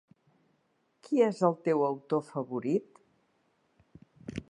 Qui és el teu autor favorit?